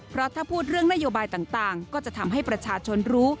เพราะถ้าพูดเรื่องนโยบายต่างก็จะทำให้ประชาชนรู้